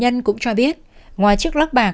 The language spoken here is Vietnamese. nạn nhân cũng cho biết ngoài chiếc lắc bạc